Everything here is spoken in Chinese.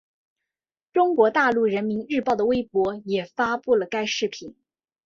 中国大陆人民日报的微博也发布了该视频。